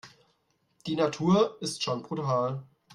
Die Natur ist schon brutal.